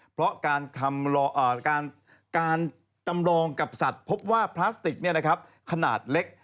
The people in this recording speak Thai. เพราะการจำลองกับสัตว์พบว่าพลาสติกขนาดเล็ก